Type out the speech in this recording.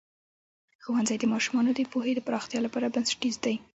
ښوونځی د ماشومانو د پوهې د پراختیا لپاره بنسټیز دی.